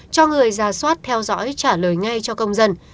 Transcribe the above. cho người ra soát theo dõi trả lời ngay cho công dân